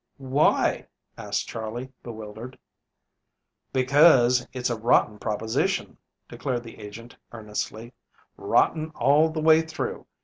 "Why?" asked Charley, bewildered. "Because, it's a rotten proposition," declared the agent earnestly; "rotten all the way through.